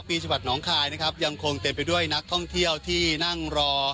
ปีจังหวัดหนองคายนะครับยังคงเต็มไปด้วยนักท่องเที่ยวที่นั่งรอ